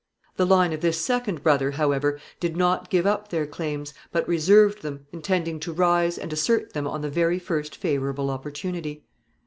The line of this second brother, however, did not give up their claims, but reserved them, intending to rise and assert them on the very first favorable opportunity.